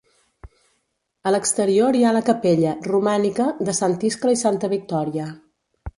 A l'exterior hi ha la capella, romànica, de Sant Iscle i Santa Victòria.